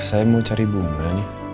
saya mau cari bunga nih